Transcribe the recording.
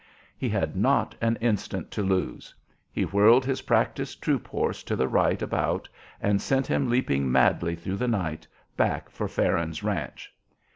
He had not an instant to lose. He whirled his practised troop horse to the right about, and sent him leaping madly through the night back for Farron's ranch.